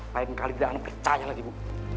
lain kali gak akan kecayalah ibu